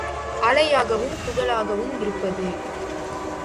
அலையாகவும் துகளாகவும் இருப்பது.